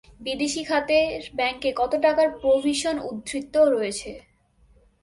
বিদেশি খাতের ব্যাংকে কত টাকার প্রভিশন উদ্বৃত্ত রয়েছে?